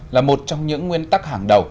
là một trong những nguyên tắc hàng đầu